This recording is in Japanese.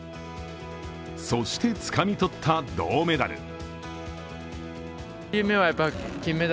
そして、つかみ取った銅メダル。